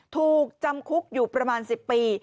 ถูกจำคุกอยู่ประมาณ๑๐ปี